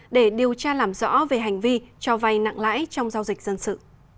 để điều tra làm rõ về hành vi cho vay nặng lãi trong giao dịch dân sự